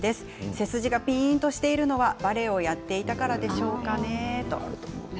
背筋がピンとしているのはバレエをやっていたからでしょうかね。